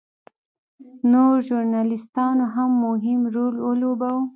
نورو ژورنالېستانو هم مهم رول ولوباوه.